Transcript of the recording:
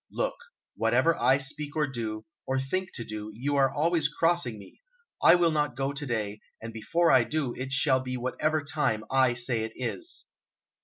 "Look, whatever I speak or do, or think to do, you are always crossing me! I will not go to day, and before I do, it shall be whatever time I say it is."